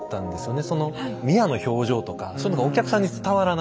ミアの表情とかそういうのがお客さんに伝わらない。